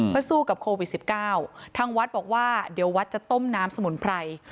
เพื่อสู้กับโควิด๑๙ทางวัดบอกว่าเดี๋ยววัดจะต้มน้ำสมุนไพร